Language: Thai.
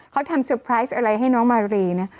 เขาทำเซอร์ไพรส์อะไรให้น้องมารีนะ